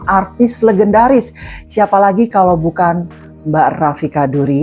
artis legendaris siapa lagi kalau bukan mbak rafi kaduri